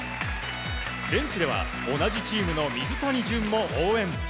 ベンチでは同じチームの水谷隼も応援。